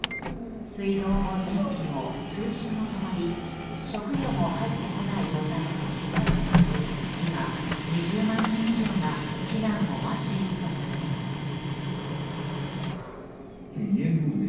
水道も電気も通信も止まり食料も入ってこない状態に陥り今、２０万人以上が避難を待っているとされています。